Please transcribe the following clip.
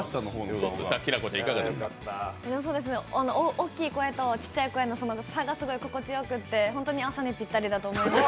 大きい声と小さい声の差が心地よくて本当に朝にぴったりだと思います。